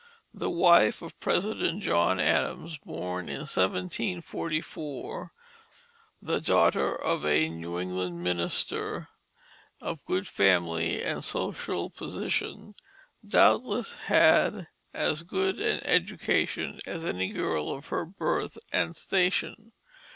The wife of President John Adams, born in 1744, the daughter of a New England minister of good family and social position, doubtless had as good an education as any girl of her birth and station.